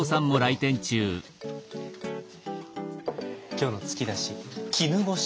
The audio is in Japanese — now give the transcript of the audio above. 今日の突き出し絹ごし